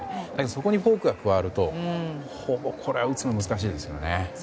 そこにフォークが加わると打つのは難しいですよね。